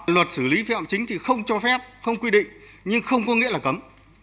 luật xử lý phi hành chính thì không cho phép không quy định nhưng không có nghĩa là cấm